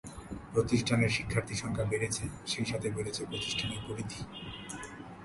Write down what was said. প্রতিষ্ঠানের শিক্ষার্থী সংখ্যা বাড়ছে, সেই সাথে বাড়ছে প্রতিষ্ঠানের পরিধি।